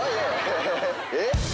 えっ？